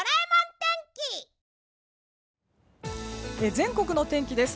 全国のお天気です。